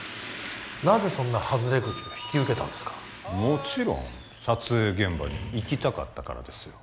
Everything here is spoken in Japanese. なぜそんな外れくじを引き受けたんですかもちろん撮影現場に行きたかったからですよ